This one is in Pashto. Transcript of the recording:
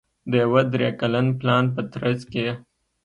د یوه درې کلن پلان په ترڅ کې